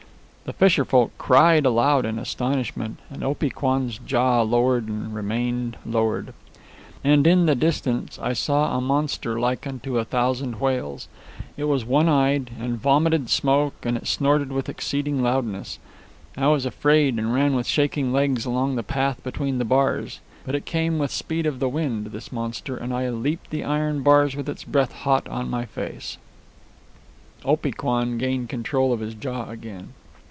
The fisherfolk cried aloud in astonishment, and Opee Kwan's jaw lowered and remained lowered. "And in the distance I saw a monster like unto a thousand whales. It was one eyed, and vomited smoke, and it snorted with exceeding loudness. I was afraid and ran with shaking legs along the path between the bars. But it came with speed of the wind, this monster, and I leaped the iron bars with its breath hot on my face ..." Opee Kwan gained control of his jaw again.